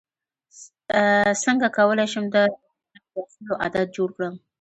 څنګه کولی شم د کتاب لوستلو عادت جوړ کړم